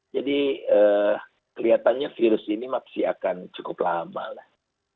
jadi kelihatannya virus ini masih akan cukup lama lah